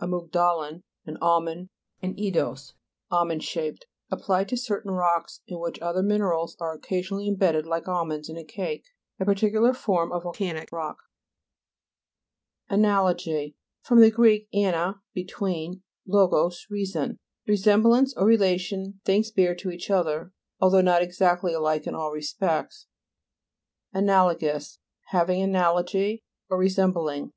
amugdalon, an almond, eidos, form. Almond shaped. Applied to certain rocks in which other minerals are oc casionally imbedded like almonds in a cake. A particular form of volcanic rock. ANA'LOGY fr. gr. ana, between; logos, reason. Resemblance or re lation things bear to each other, although not exactly alike in all respects. ANA'LOGOUS Having analogy, or re sembling.